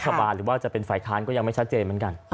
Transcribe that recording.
ถ้าเขาจะเป็นฝ่ายค้านก็ยังไม่ชัดเจนเหมือนกัน